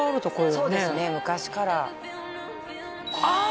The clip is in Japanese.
そうですね昔からああ！